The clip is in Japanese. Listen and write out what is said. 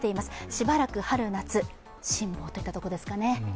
しばらく春、夏、辛抱といったところですかね。